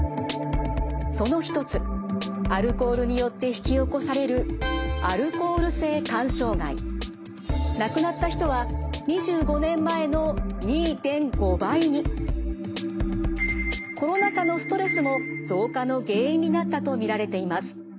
その一つアルコールによって引き起こされるコロナ禍のストレスも増加の原因になったと見られています。